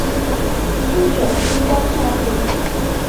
清水區中山路